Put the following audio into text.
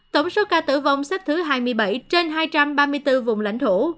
tổng số ca tử vong xếp thứ hai mươi bảy trên hai trăm ba mươi bốn vùng lãnh thổ